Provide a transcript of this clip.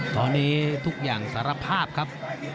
ตอนนี้ทุกอย่างสารภาพครับ